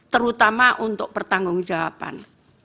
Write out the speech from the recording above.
terutama untuk pertanggung jawaban